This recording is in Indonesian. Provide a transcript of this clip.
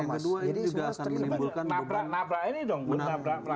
yang kedua ini juga akan menimbulkan